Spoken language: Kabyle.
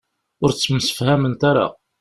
Ur ttemsefhament ara.